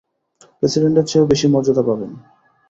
প্রেসিডেন্টের চেয়েও বেশি মর্যাদা পাবেন।